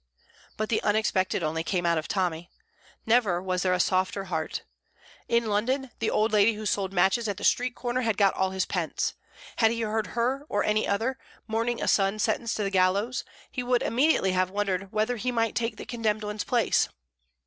But the unexpected only came out of Tommy. Never was there a softer heart. In London the old lady who sold matches at the street corner had got all his pence; had he heard her, or any other, mourning a son sentenced to the gallows, he would immediately have wondered whether he might take the condemned one's place.